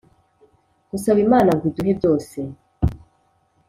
gusaba imana ngo iduhe byose,